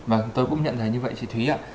và tôi cũng nhận thấy như vậy chị thúy ạ